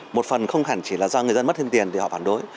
một phần không hẳn chỉ là do người dân mất thêm tiền thì họ phản đối